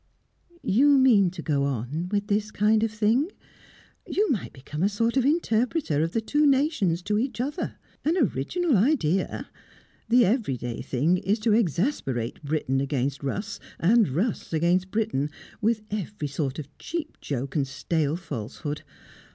"You mean to go on with this kind of thing? You might become a sort of interpreter of the two nations to each other. An original idea. The everyday thing is to exasperate Briton against Russ, and Russ against Briton, with every sort of cheap joke and stale falsehood.